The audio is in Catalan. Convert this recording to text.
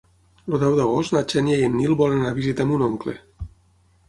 El deu d'agost na Xènia i en Nil volen anar a visitar mon oncle.